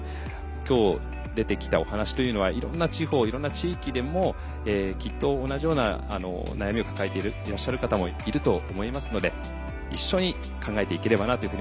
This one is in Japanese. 今日出てきたお話というのはいろんな地方いろんな地域でもきっと同じような悩みを抱えていらっしゃる方もいると思いますので一緒に考えていければなというふうに思っております。